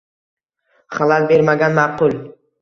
Xalal bermagan maʼqul.